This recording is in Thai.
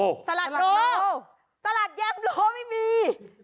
ตลาดโลตลาดแยมโลไม่มี